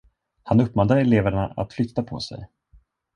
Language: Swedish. Han uppmanade eleverna att flytta på sig.